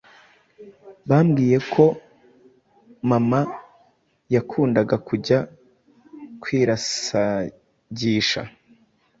Bambwiye ko mama yakundaga kujya kwirasagisha.